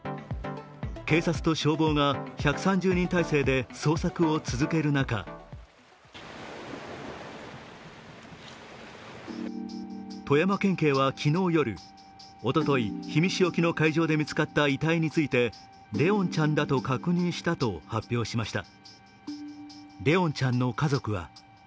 警察と消防が１３０人態勢で捜索を続ける中富山県警は昨日夜、おととい氷見市沖の海上で見つかった遺体について怜音ちゃんだと確認したと発表しました。